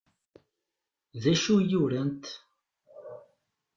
D acu i urant?